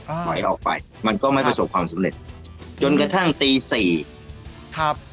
อ่าปล่อยออกไปมันก็ไม่ประสบความสุดจนกระทั่งตีสี่ครับ